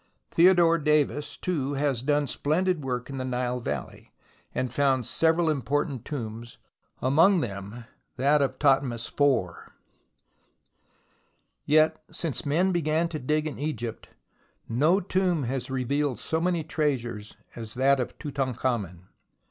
Theodore Davis, too, has done splendid work in the Nile Valley, and found several important tombs, among them that of Thothmes iv. Yet, since men began to dig in Egypt, no tomb has revealed so many treasures as that of Tutankh amen.